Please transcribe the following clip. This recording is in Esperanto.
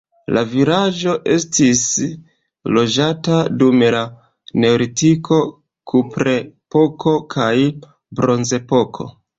La vilaĝo estis loĝata dum la neolitiko, kuprepoko kaj bronzepoko.